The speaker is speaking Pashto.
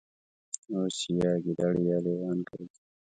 اوس یا ګیدړې یا لېوان ګرځي